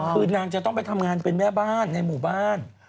คือนางจะต้องไปทำงานเป็นแม่บ้านในหมู่บ้าน